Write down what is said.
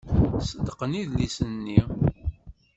Ṣeddqen idlisen-nni.